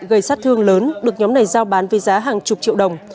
gây sát thương lớn được nhóm này giao bán với giá hàng chục triệu đồng